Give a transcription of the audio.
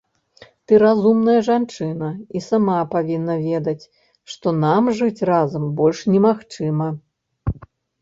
Ты разумная жанчына і сама павінна ведаць, што нам жыць разам больш немагчыма.